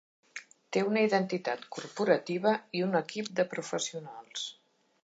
Té una identitat corporativa i un equip de professionals.